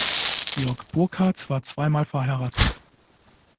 Georg Burckhardt war zweimal verheiratet.